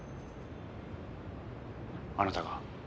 あなたが？